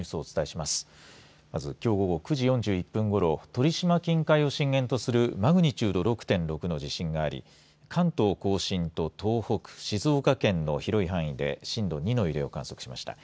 まず、きょう午後９時４１分ごろ鳥島近海を震源とするマグニチュード６．６の地震があり関東甲信と東北、静岡県の広い範囲で震度２の揺れを観測しました。